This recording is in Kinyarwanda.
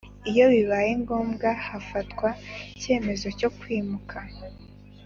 Iyo bibaye ngombwa hafatwa icyemezo cyo kwimuka